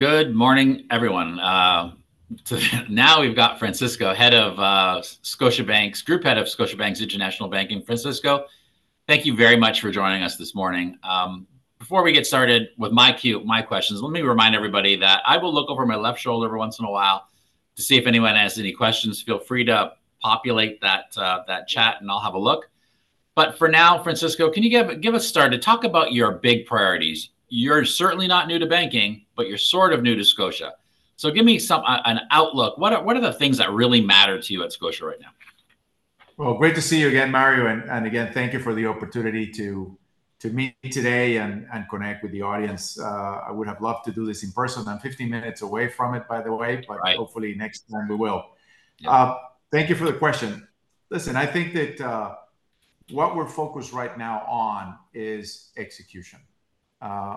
Good morning, everyone. So now we've got Francisco, Group Head of Scotiabank's International Banking. Francisco, thank you very much for joining us this morning. Before we get started with my questions, let me remind everybody that I will look over my left shoulder every once in a while to see if anyone has any questions. Feel free to populate that chat, and I'll have a look. But for now, Francisco, can you give us a start to talk about your big priorities. You're certainly not new to banking, but you're sort of new to Scotia, so give me an outlook. What are the things that really matter to you at Scotia right now? Well, great to see you again, Mario, and again, thank you for the opportunity to meet today and connect with the audience. I would have loved to do this in person. I'm 15 minutes away from it, by the way- Right... but hopefully next time we will. Yeah. Thank you for the question. Listen, I think that what we're focused right now on is execution.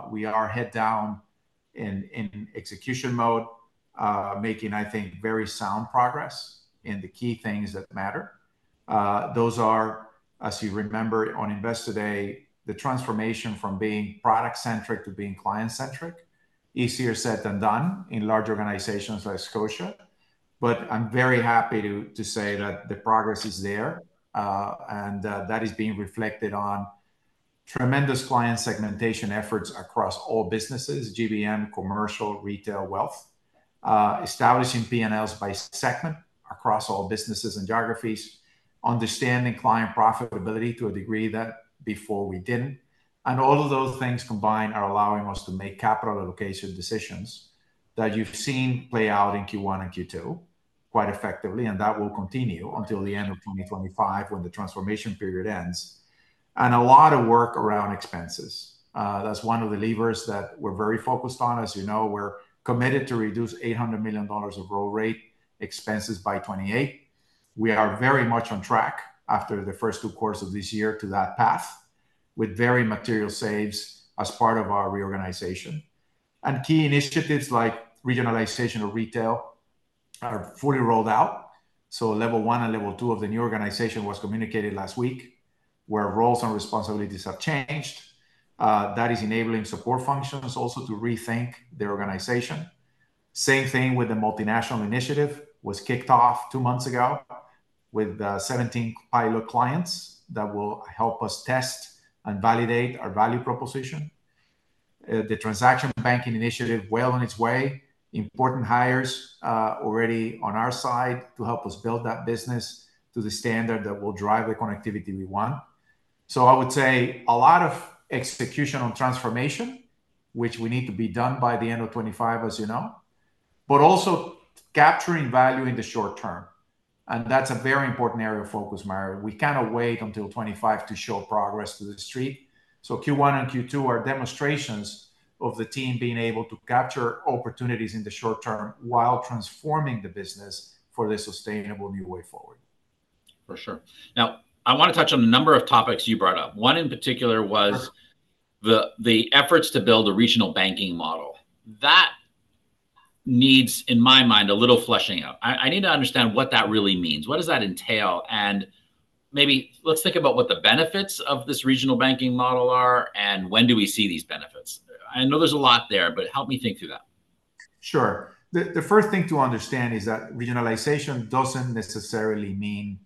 We are head down in execution mode, making, I think, very sound progress in the key things that matter. Those are, as you remember on Investor Day, the transformation from being product-centric to being client-centric. Easier said than done in large organizations like Scotia, but I'm very happy to say that the progress is there, and that is being reflected on tremendous client segmentation efforts across all businesses: GBM, commercial, retail, wealth. Establishing P&Ls by segment across all businesses and geographies, understanding client profitability to a degree that before we didn't, and all of those things combined are allowing us to make capital allocation decisions that you've seen play out in Q1 and Q2 quite effectively, and that will continue until the end of 2025 when the transformation period ends. A lot of work around expenses. That's one of the levers that we're very focused on. As you know, we're committed to reduce 800 million dollars of roll rate expenses by 2028. We are very much on track after the first two quarters of this year to that path, with very material saves as part of our reorganization. Key initiatives like regionalization of retail are fully rolled out, so level one and level two of the new organization was communicated last week, where roles and responsibilities have changed. That is enabling support functions also to rethink their organization. Same thing with the multinational initiative, was kicked off two months ago with 17 pilot clients that will help us test and validate our value proposition. The transaction banking initiative well on its way. Important hires already on our side to help us build that business to the standard that will drive the connectivity we want. So I would say a lot of executional transformation, which we need to be done by the end of 2025, as you know, but also capturing value in the short term, and that's a very important area of focus, Mario. We cannot wait until 2025 to show progress to the street, so Q1 and Q2 are demonstrations of the team being able to capture opportunities in the short term while transforming the business for the sustainable new way forward. For sure. Now, I wanna touch on a number of topics you brought up. One in particular was- Sure... the efforts to build a regional banking model. That needs, in my mind, a little fleshing out. I need to understand what that really means. What does that entail? And maybe let's think about what the benefits of this regional banking model are, and when do we see these benefits? I know there's a lot there, but help me think through that. Sure. The first thing to understand is that regionalization doesn't necessarily mean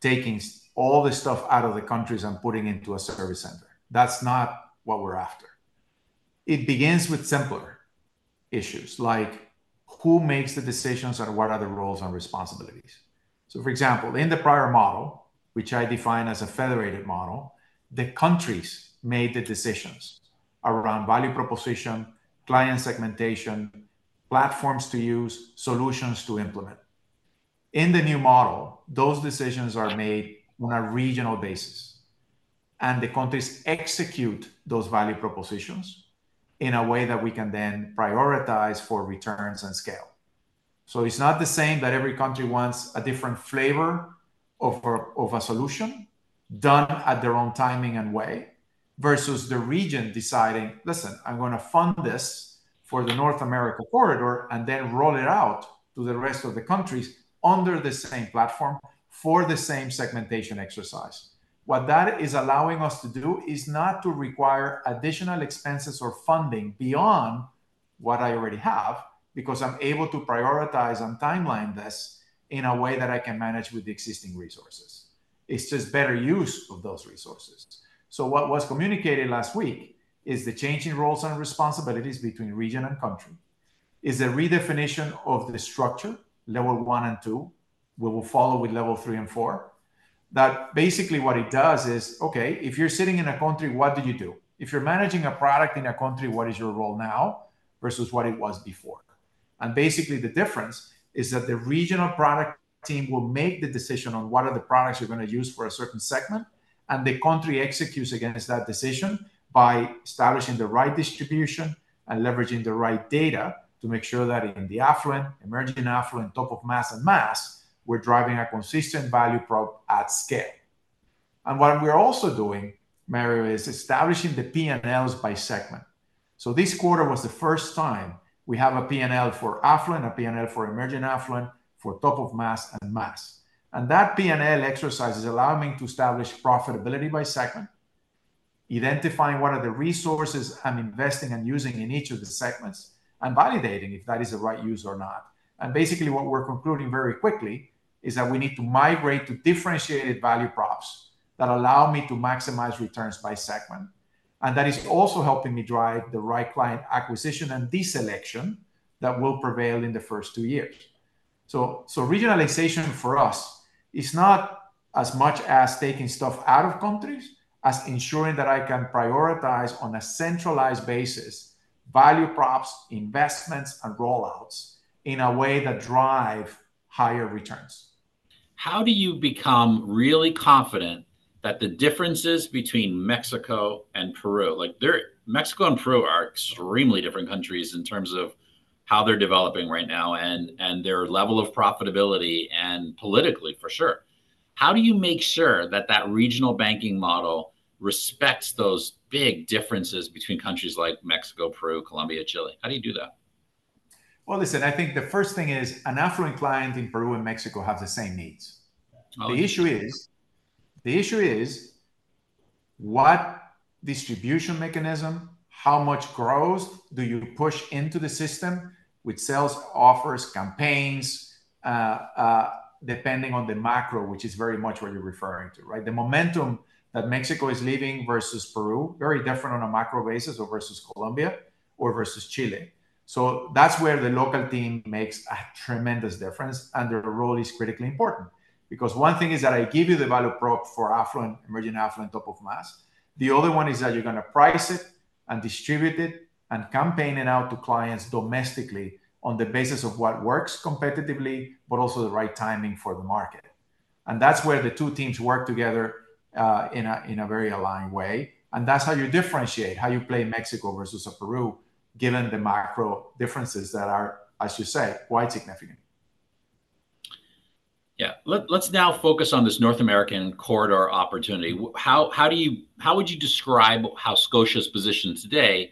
taking all the stuff out of the countries and putting into a service center. That's not what we're after. It begins with simpler issues, like: Who makes the decisions, and what are the roles and responsibilities? So for example, in the prior model, which I define as a federated model, the countries made the decisions around value proposition, client segmentation, platforms to use, solutions to implement. In the new model, those decisions are made on a regional basis, and the countries execute those value propositions in a way that we can then prioritize for returns and scale. So it's not the same that every country wants a different flavor of a solution done at their own timing and way, versus the region deciding, "Listen, I'm gonna fund this for the North America corridor and then roll it out to the rest of the countries under the same platform for the same segmentation exercise." What that is allowing us to do is not to require additional expenses or funding beyond what I already have, because I'm able to prioritize and timeline this in a way that I can manage with the existing resources. It's just better use of those resources. So what was communicated last week is the change in roles and responsibilities between region and country, is a redefinition of the structure, level one and two. We will follow with level three and four. That basically what it does is, okay, if you're sitting in a country, what do you do? If you're managing a product in a country, what is your role now versus what it was before? And basically, the difference is that the regional product team will make the decision on what are the products you're gonna use for a certain segment, and the country executes against that decision by establishing the right distribution and leveraging the right data to make sure that in the affluent, emerging affluent, top of mass and mass, we're driving a consistent value prop at scale. And what we're also doing, Mario, is establishing the P&Ls by segment. So this quarter was the first time we have a P&L for affluent, a P&L for emerging affluent, for top of mass and mass, and that P&L exercise is allowing to establish profitability by segment-... Identifying what are the resources I'm investing and using in each of the segments, and validating if that is the right use or not. Basically, what we're concluding very quickly is that we need to migrate to differentiated value props that allow me to maximize returns by segment, and that is also helping me drive the right client acquisition and deselection that will prevail in the first two years. So, regionalization for us is not as much as taking stuff out of countries, as ensuring that I can prioritize on a centralized basis, value props, investments, and rollouts in a way that drive higher returns. How do you become really confident that the differences between Mexico and Peru - like, they're, Mexico and Peru are extremely different countries in terms of how they're developing right now, and, and their level of profitability, and politically, for sure. How do you make sure that that regional banking model respects those big differences between countries like Mexico, Peru, Colombia, Chile? How do you do that? Well, listen, I think the first thing is an affluent client in Peru and Mexico have the same needs. Oh- The issue is, the issue is what distribution mechanism, how much growth do you push into the system, with sales, offers, campaigns, depending on the macro, which is very much what you're referring to, right? The momentum that Mexico is living versus Peru, very different on a macro basis, or versus Colombia, or versus Chile. So that's where the local team makes a tremendous difference, and their role is critically important. Because one thing is that I give you the value prop for affluent, emerging affluent, top of mass. The other one is that you're gonna price it, and distribute it, and campaign it out to clients domestically on the basis of what works competitively, but also the right timing for the market. That's where the two teams work together in a very aligned way, and that's how you differentiate how you play Mexico versus Peru, given the macro differences that are, as you say, quite significant. Yeah. Let's now focus on this North American corridor opportunity. How do you... How would you describe how Scotia's positioned today?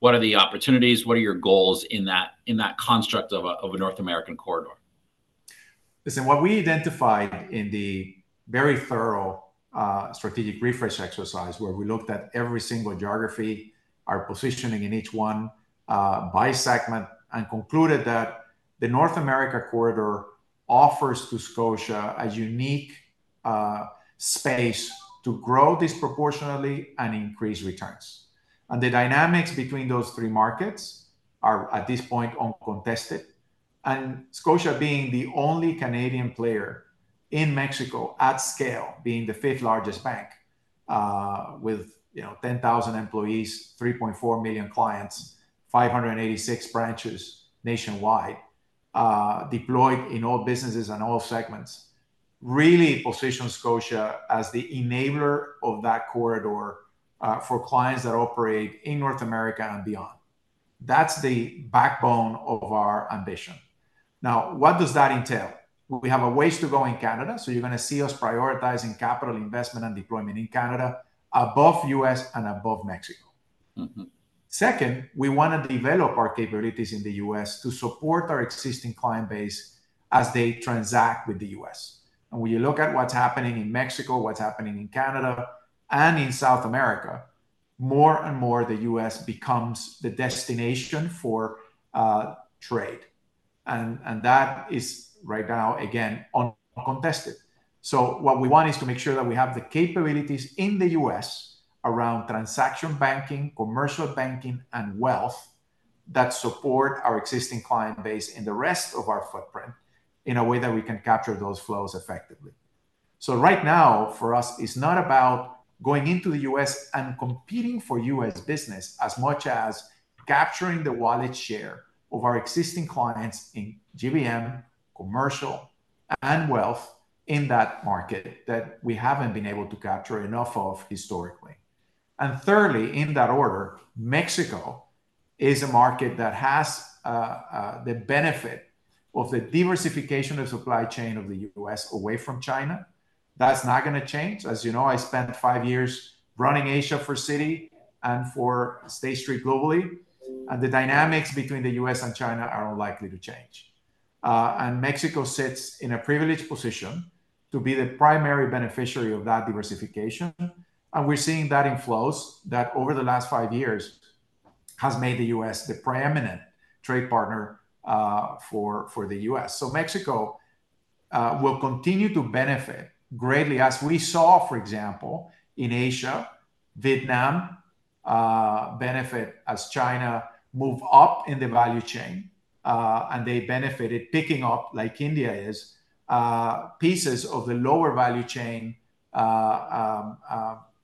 What are the opportunities? What are your goals in that, in that construct of a, of a North American corridor? Listen, what we identified in the very thorough, strategic refresh exercise, where we looked at every single geography, our positioning in each one, by segment, and concluded that the North America corridor offers to Scotia a unique, space to grow disproportionately and increase returns. And the dynamics between those three markets are, at this point, uncontested. And Scotia being the only Canadian player in Mexico at scale, being the fifth-largest bank, with, you know, 10,000 employees, 3.4 million clients, 586 branches nationwide, deployed in all businesses and all segments, really positions Scotia as the enabler of that corridor, for clients that operate in North America and beyond. That's the backbone of our ambition. Now, what does that entail? We have a ways to go in Canada, so you're gonna see us prioritizing capital investment and deployment in Canada above U.S. and above Mexico. Mm-hmm. Second, we wanna develop our capabilities in the US to support our existing client base as they transact with the US. When you look at what's happening in Mexico, what's happening in Canada, and in South America, more and more, the US becomes the destination for trade, and that is right now, again, uncontested. What we want is to make sure that we have the capabilities in the US around transaction banking, commercial banking, and wealth, that support our existing client base in the rest of our footprint in a way that we can capture those flows effectively. Right now, for us, it's not about going into the US and competing for US business as much as capturing the wallet share of our existing clients in GBM, commercial, and wealth in that market that we haven't been able to capture enough of historically. And thirdly, in that order, Mexico is a market that has the benefit of the diversification of supply chain of the U.S. away from China. That's not gonna change. As you know, I spent five years running Asia for Citi and for State Street globally, and the dynamics between the U.S. and China are unlikely to change. And Mexico sits in a privileged position to be the primary beneficiary of that diversification, and we're seeing that in flows that, over the last five years, has made the U.S. the preeminent trade partner for the U.S. So Mexico will continue to benefit greatly, as we saw, for example, in Asia, Vietnam benefit as China move up in the value chain, and they benefited, picking up, like India is, pieces of the lower value chain,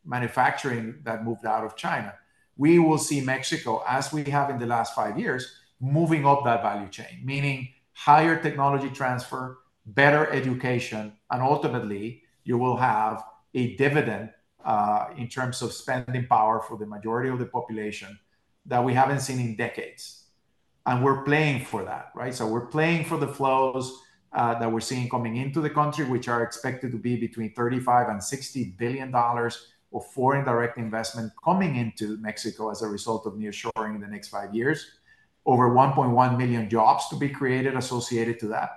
manufacturing that moved out of China. We will see Mexico, as we have in the last five years, moving up that value chain, meaning higher technology transfer, better education, and ultimately, you will have a dividend in terms of spending power for the majority of the population, that we haven't seen in decades. We're playing for that, right? We're playing for the flows that we're seeing coming into the country, which are expected to be between $35 billion-$60 billion of foreign direct investment coming into Mexico as a result of nearshoring in the next five years. Over 1.1 million jobs to be created associated to that...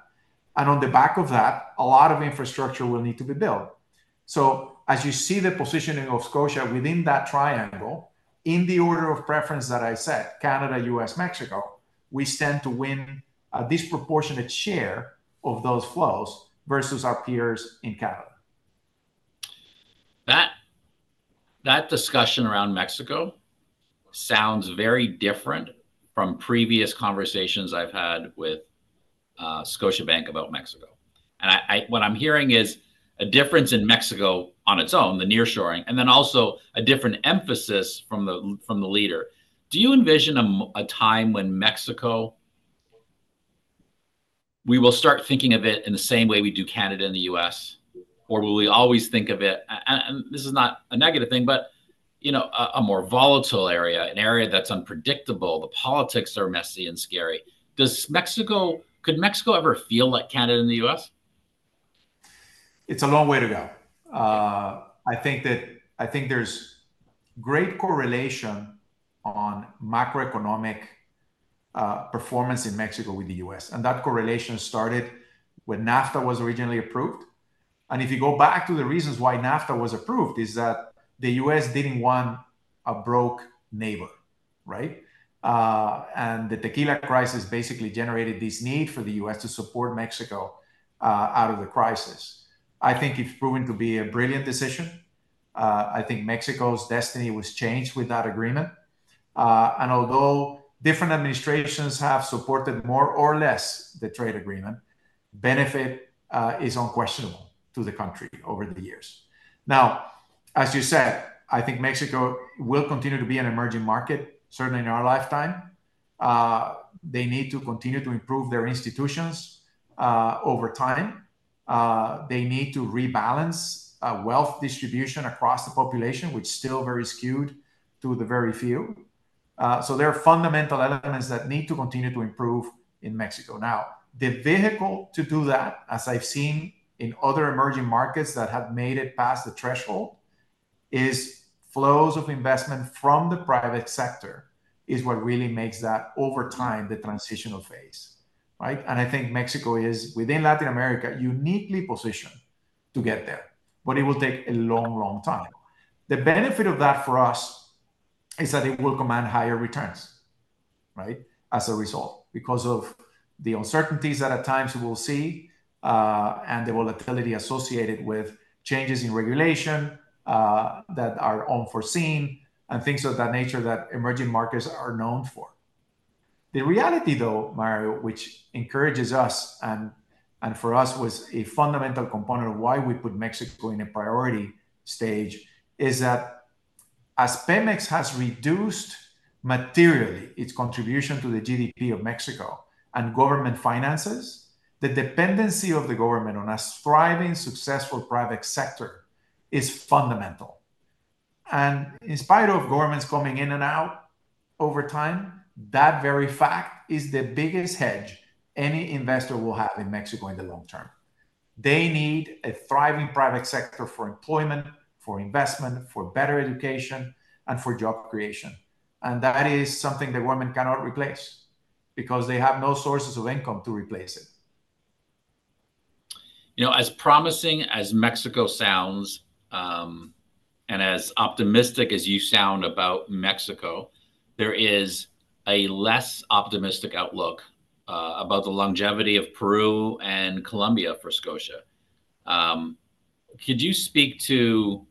and on the back of that, a lot of infrastructure will need to be built. So as you see the positioning of Scotia within that triangle, in the order of preference that I said, Canada, U.S., Mexico, we stand to win a disproportionate share of those flows versus our peers in Canada. That discussion around Mexico sounds very different from previous conversations I've had with Scotiabank about Mexico, and what I'm hearing is a difference in Mexico on its own, the nearshoring, and then also a different emphasis from the leader. Do you envision a time when Mexico... we will start thinking of it in the same way we do Canada and the U.S.? Or will we always think of it, and this is not a negative thing, but, you know, a more volatile area, an area that's unpredictable, the politics are messy and scary. Could Mexico ever feel like Canada and the U.S.? It's a long way to go. I think there's great correlation on macroeconomic performance in Mexico with the U.S., and that correlation started when NAFTA was originally approved. If you go back to the reasons why NAFTA was approved, is that the U.S. didn't want a broke neighbor, right? The tequila crisis basically generated this need for the U.S. to support Mexico out of the crisis. I think it's proven to be a brilliant decision. I think Mexico's destiny was changed with that agreement. Although different administrations have supported more or less the trade agreement, benefit is unquestionable to the country over the years. Now, as you said, I think Mexico will continue to be an emerging market, certainly in our lifetime. They need to continue to improve their institutions over time. They need to rebalance wealth distribution across the population, which is still very skewed to the very few. So there are fundamental elements that need to continue to improve in Mexico. Now, the vehicle to do that, as I've seen in other emerging markets that have made it past the threshold, is flows of investment from the private sector is what really makes that, over time, the transitional phase, right? And I think Mexico is, within Latin America, uniquely positioned to get there, but it will take a long, long time. The benefit of that for us is that it will command higher returns, right, as a result, because of the uncertainties that at times we'll see, and the volatility associated with changes in regulation that are unforeseen, and things of that nature that emerging markets are known for. The reality, though, Mario, which encourages us, and for us was a fundamental component of why we put Mexico in a priority stage, is that as Pemex has reduced materially its contribution to the GDP of Mexico and government finances, the dependency of the government on a thriving, successful private sector is fundamental. In spite of governments coming in and out over time, that very fact is the biggest hedge any investor will have in Mexico in the long term. They need a thriving private sector for employment, for investment, for better education, and for job creation, and that is something the government cannot replace because they have no sources of income to replace it. You know, as promising as Mexico sounds, and as optimistic as you sound about Mexico, there is a less optimistic outlook about the longevity of Peru and Colombia for Scotia. Could you speak to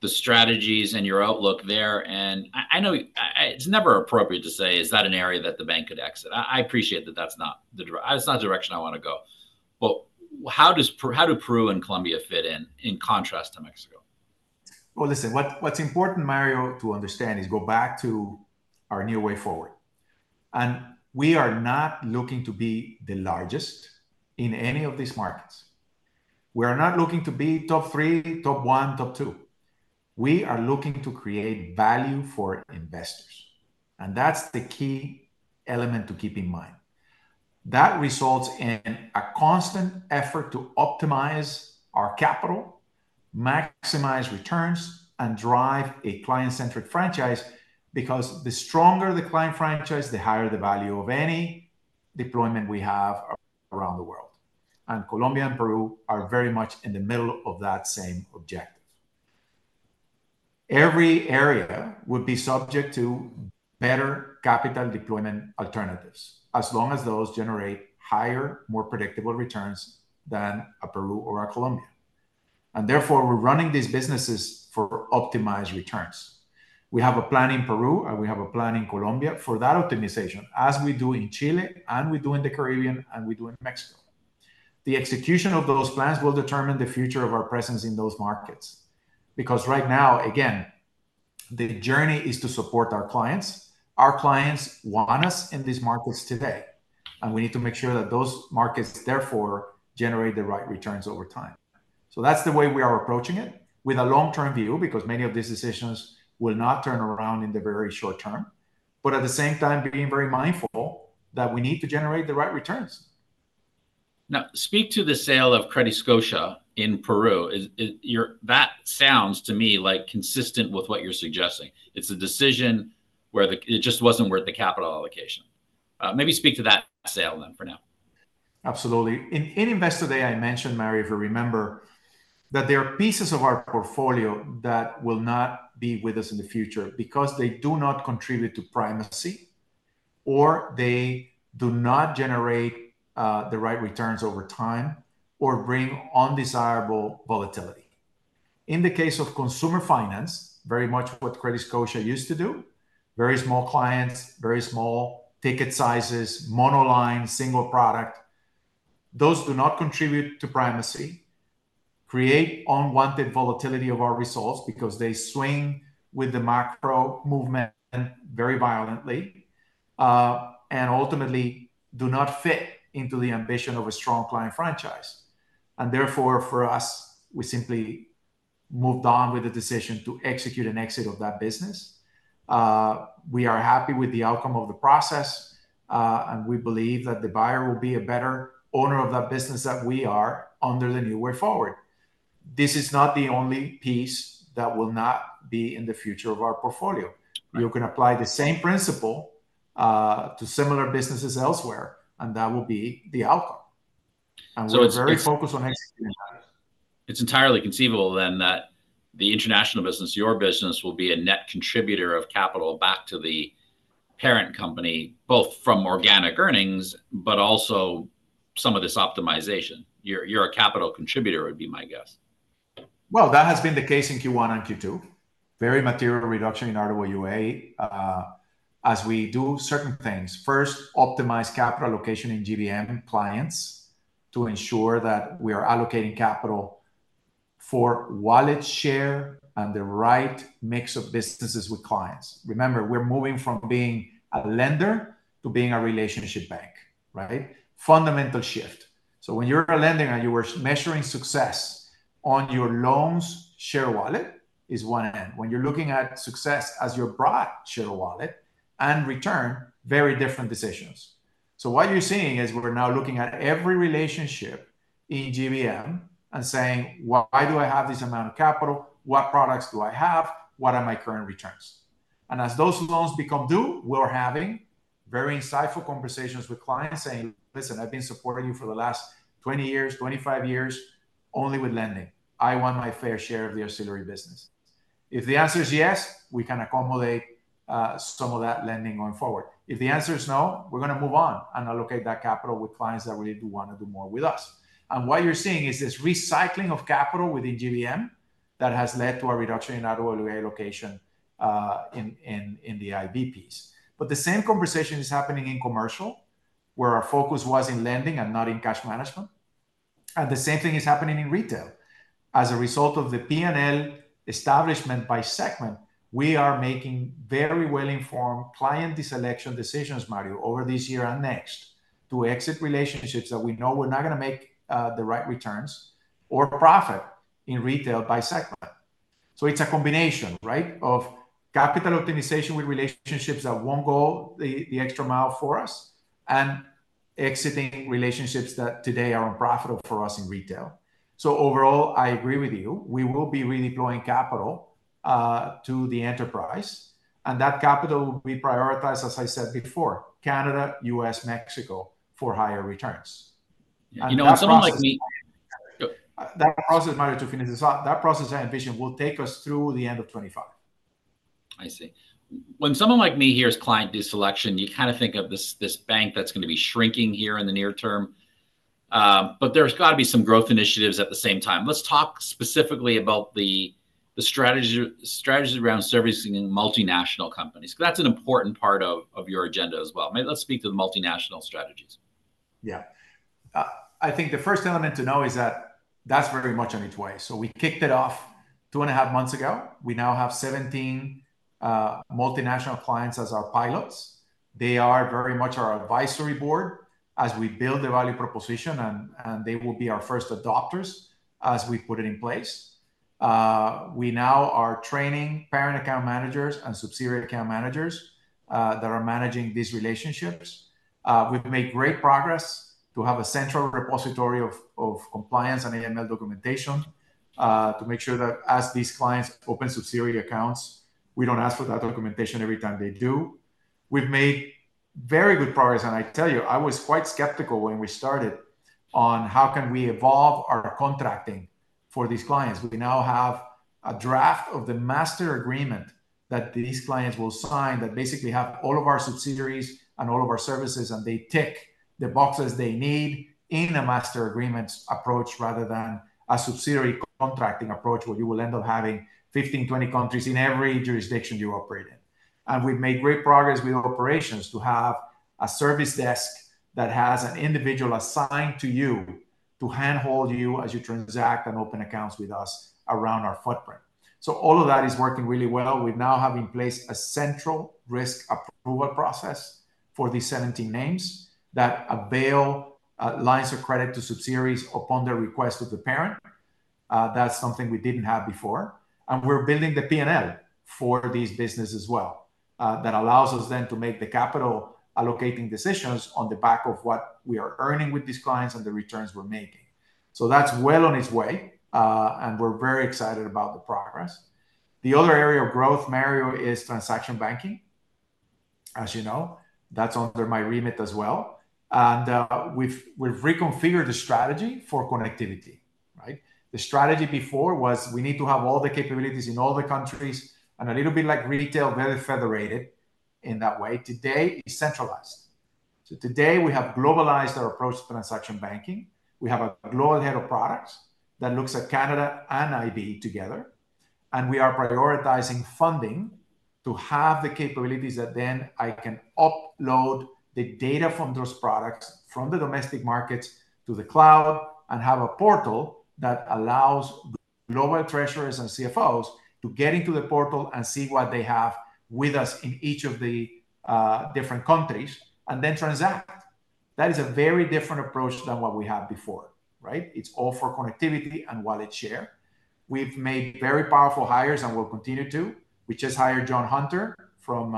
the strategies and your outlook there? And I know it's never appropriate to say, "Is that an area that the bank could exit?" I appreciate that that's not the direction I wanna go. But how do Peru and Colombia fit in, in contrast to Mexico? Well, listen, what's important, Mario, to understand is go back to our new way forward, and we are not looking to be the largest in any of these markets. We are not looking to be top three, top one, top two. We are looking to create value for investors, and that's the key element to keep in mind. That results in a constant effort to optimize our capital, maximize returns, and drive a client-centric franchise, because the stronger the client franchise, the higher the value of any deployment we have around the world, and Colombia and Peru are very much in the middle of that same objective. Every area would be subject to better capital deployment alternatives, as long as those generate higher, more predictable returns than a Peru or a Colombia, and therefore, we're running these businesses for optimized returns. We have a plan in Peru, and we have a plan in Colombia for that optimization, as we do in Chile, and we do in the Caribbean, and we do in Mexico. The execution of those plans will determine the future of our presence in those markets. Because right now, again, the journey is to support our clients. Our clients want us in these markets today, and we need to make sure that those markets therefore generate the right returns over time. So that's the way we are approaching it, with a long-term view, because many of these decisions will not turn around in the very short term, but at the same time, being very mindful that we need to generate the right returns. Now, speak to the sale of CrediScotia in Peru. Is that sounds to me, like, consistent with what you're suggesting. It's a decision where it just wasn't worth the capital allocation. Maybe speak to that sale then for now. Absolutely. In Investor Day, I mentioned, Mario, if you remember, that there are pieces of our portfolio that will not be with us in the future because they do not contribute to primacy, or they do not generate the right returns over time or bring undesirable volatility. In the case of consumer finance, very much what CrediScotia used to do, very small clients, very small ticket sizes, monoline, single product, those do not contribute to primacy, create unwanted volatility of our results because they swing with the macro movement very violently, and ultimately do not fit into the ambition of a strong client franchise. And therefore, for us, we simply moved on with the decision to execute an exit of that business. We are happy with the outcome of the process, and we believe that the buyer will be a better owner of that business than we are under the New Way Forward. This is not the only piece that will not be in the future of our portfolio. Right. You can apply the same principle to similar businesses elsewhere, and that will be the outcome. So it's- We're very focused on executing that. It's entirely conceivable then that the international business, your business, will be a net contributor of capital back to the parent company, both from organic earnings, but also some of this optimization. You're, you're a capital contributor, would be my guess. Well, that has been the case in Q1 and Q2. Very material reduction in RWA, as we do certain things. First, optimize capital allocation in GBM clients to ensure that we are allocating capital for wallet share and the right mix of businesses with clients. Remember, we're moving from being a lender to being a relationship bank, right? Fundamental shift. So when you're a lender and you are measuring success on your loans share wallet, is one end. When you're looking at success as your product share wallet and return, very different decisions. So what you're seeing is we're now looking at every relationship in GBM and saying: "Why do I have this amount of capital? What products do I have? What are my current returns?" And as those loans become due, we're having very insightful conversations with clients saying, "Listen, I've been supporting you for the last 20 years, 25 years, only with lending. I want my fair share of the ancillary business." If the answer is yes, we can accommodate some of that lending going forward. If the answer is no, we're gonna move on and allocate that capital with clients that really do wanna do more with us. And what you're seeing is this recycling of capital within GBM that has led to a reduction in RWA allocation in the IB piece. But the same conversation is happening in commercial, where our focus was in lending and not in cash management, and the same thing is happening in retail. As a result of the P&L establishment by segment, we are making very well-informed client de-selection decisions, Mario, over this year and next, to exit relationships that we know we're not gonna make the right returns or profit in retail by segment. So it's a combination, right, of capital optimization with relationships that won't go the extra mile for us, and exiting relationships that today are unprofitable for us in retail. So overall, I agree with you, we will be redeploying capital to the enterprise, and that capital will be prioritized, as I said before, Canada, US, Mexico, for higher returns. You know, when someone like me- That process, Mario, to finish this off, that process I envision will take us through the end of 2025. I see. When someone like me hears client de-selection, you kind of think of this, this bank that's gonna be shrinking here in the near term. But there's got to be some growth initiatives at the same time. Let's talk specifically about the strategy around servicing multinational companies, because that's an important part of your agenda as well. Let's speak to the multinational strategies. Yeah. I think the first element to know is that that's very much on its way. So we kicked it off 2.5 months ago. We now have 17 multinational clients as our pilots. They are very much our advisory board as we build the value proposition, and they will be our first adopters as we put it in place. We now are training parent account managers and subsidiary account managers that are managing these relationships. We've made great progress to have a central repository of compliance and AML documentation to make sure that as these clients open subsidiary accounts, we don't ask for that documentation every time they do. We've made very good progress, and I tell you, I was quite skeptical when we started on how can we evolve our contracting for these clients? We now have a draft of the master agreement that these clients will sign that basically have all of our subsidiaries and all of our services, and they tick the boxes they need in a master agreements approach, rather than a subsidiary contracting approach, where you will end up having 15, 20 countries in every jurisdiction you operate in. We've made great progress with operations to have a service desk that has an individual assigned to you to handhold you as you transact and open accounts with us around our footprint. All of that is working really well. We now have in place a central risk approval process for these 17 names that avail lines of credit to subsidiaries upon the request of the parent. That's something we didn't have before. We're building the P&L for these businesses well. That allows us then to make the capital allocating decisions on the back of what we are earning with these clients and the returns we're making. That's well on its way, and we're very excited about the progress. The other area of growth, Mario, is transaction banking. As you know, that's under my remit as well, and we've reconfigured the strategy for connectivity, right? The strategy before was we need to have all the capabilities in all the countries, and a little bit like retail, very federated in that way. Today, it's centralized. Today we have globalized our approach to transaction banking. We have a global head of products that looks at Canada and IB together, and we are prioritizing funding to have the capabilities that then I can upload the data from those products, from the domestic markets to the cloud, and have a portal that allows global treasurers and CFOs to get into the portal and see what they have with us in each of the different countries, and then transact. That is a very different approach than what we had before, right? It's all for connectivity and wallet share. We've made very powerful hires, and we'll continue to. We just hired John Hunter from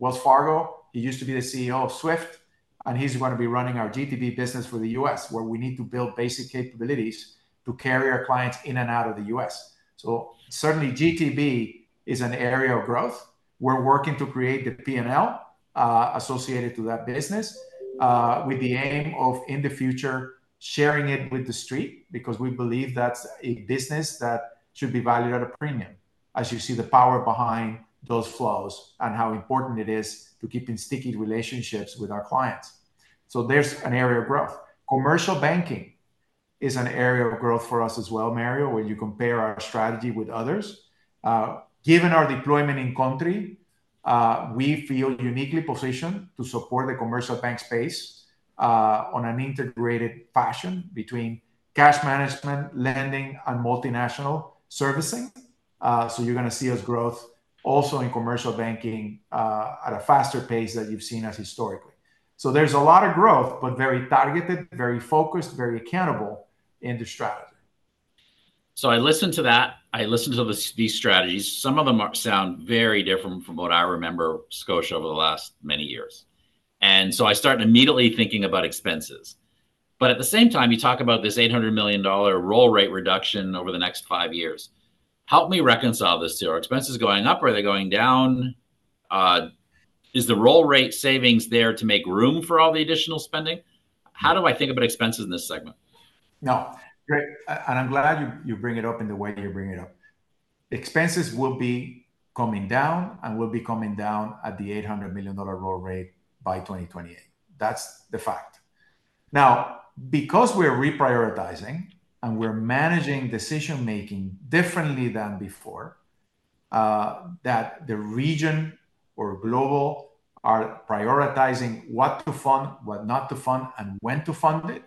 Wells Fargo. He used to be the CEO of SWIFT, and he's gonna be running our GTB business for the U.S., where we need to build basic capabilities to carry our clients in and out of the U.S. So certainly, GTB is an area of growth. We're working to create the P&L, associated to that business, with the aim of, in the future, sharing it with the street because we believe that's a business that should be valued at a premium as you see the power behind those flows and how important it is to keeping sticky relationships with our clients. So there's an area of growth. Commercial banking is an area of growth for us as well, Mario, when you compare our strategy with others. Given our deployment in country, we feel uniquely positioned to support the commercial bank space, on an integrated fashion between cash management, lending, and multinational servicing. So you're gonna see us growth also in commercial banking, at a faster pace than you've seen us historically. There's a lot of growth, but very targeted, very focused, very accountable in the strategy. So I listened to that. I listened to these strategies. Some of them are... sound very different from what I remember Scotia over the last many years, and so I start immediately thinking about expenses. But at the same time, you talk about this 800 million dollar roll rate reduction over the next five years. Help me reconcile this here. Are expenses going up, or are they going down? Is the roll rate savings there to make room for all the additional spending? How do I think about expenses in this segment? No, great, and I'm glad you bring it up in the way you bring it up. Expenses will be coming down, and will be coming down at the $800 million roll rate by 2028. That's the fact. Now, because we're reprioritizing, and we're managing decision-making differently than before, that the region or global are prioritizing what to fund, what not to fund, and when to fund it,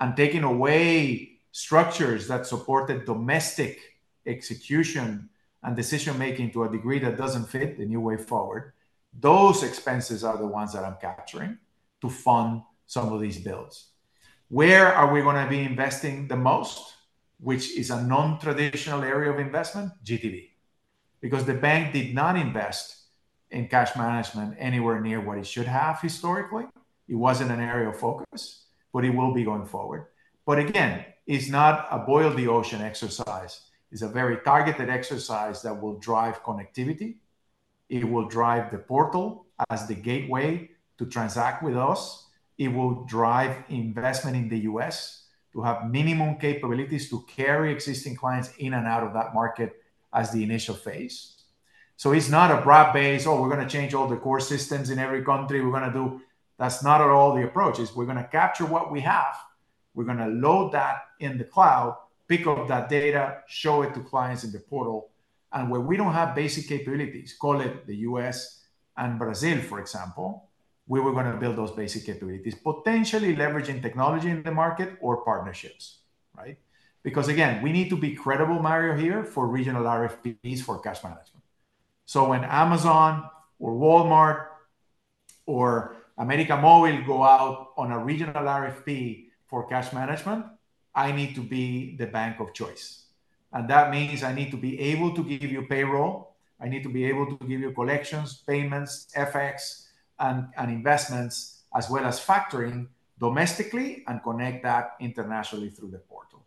and taking away structures that supported domestic execution and decision-making to a degree that doesn't fit the new way forward, those expenses are the ones that I'm capturing to fund some of these builds. Where are we gonna be investing the most, which is a non-traditional area of investment? GTB, because the bank did not invest in cash management anywhere near what it should have historically. It wasn't an area of focus, but it will be going forward. But again, it's not a boil the ocean exercise. It's a very targeted exercise that will drive connectivity. It will drive the portal as the gateway to transact with us. It will drive investment in the U.S. to have minimum capabilities to carry existing clients in and out of that market as the initial phase. So it's not a broad base, "Oh, we're gonna change all the core systems in every country. We're gonna do..." That's not at all the approach. It's we're gonna capture what we have. We're gonna load that in the cloud, pick up that data, show it to clients in the portal, and where we don't have basic capabilities, call it the U.S. and Brazil, for example, where we're gonna build those basic capabilities, potentially leveraging technology in the market or partnerships, right? Because, again, we need to be credible, Mario, here, for regional RFPs for cash management. So when Amazon or Walmart or América Móvil go out on a regional RFP for cash management, I need to be the bank of choice, and that means I need to be able to give you payroll. I need to be able to give you collections, payments, FX, and investments, as well as factoring domestically, and connect that internationally through the portal.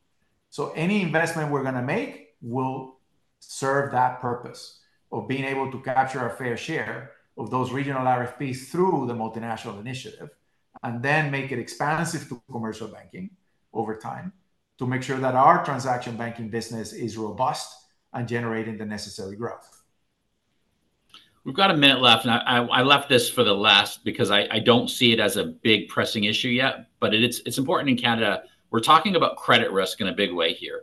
So any investment we're gonna make will serve that purpose of being able to capture our fair share of those regional RFPs through the multinational initiative, and then make it expansive to commercial banking over time to make sure that our transaction banking business is robust and generating the necessary growth. We've got a minute left, and I left this for the last because I don't see it as a big pressing issue yet, but it's important in Canada. We're talking about credit risk in a big way here.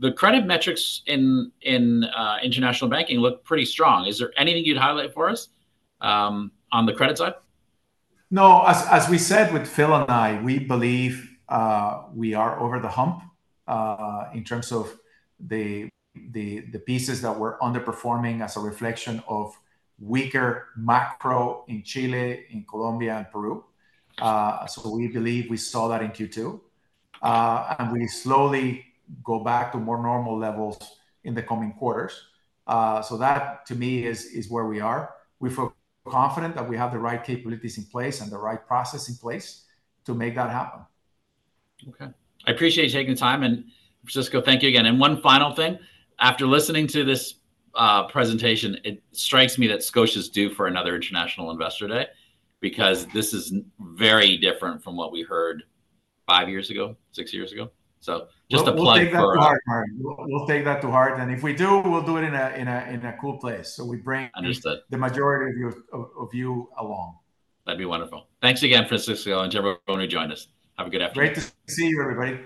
The credit metrics in international banking look pretty strong. Is there anything you'd highlight for us on the credit side? No, as we said with Phil and I, we believe we are over the hump in terms of the pieces that we're underperforming as a reflection of weaker macro in Chile, in Colombia, and Peru. Sure. So we believe we saw that in Q2, and we slowly go back to more normal levels in the coming quarters. So that, to me, is, is where we are. We feel confident that we have the right capabilities in place and the right process in place to make that happen. Okay. I appreciate you taking the time, and Francisco, thank you again. One final thing, after listening to this presentation, it strikes me that Scotia's due for another International Investor Day, because this is very different from what we heard five years ago, six years ago. Just a plug for- We'll take that to heart, Mario. And if we do, we'll do it in a cool place, so we bring- Understood... the majority of you along. That'd be wonderful. Thanks again, Francisco, and to everyone who joined us. Have a good afternoon. Great to see you, everybody.